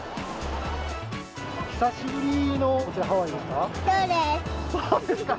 久しぶりのハワイですか？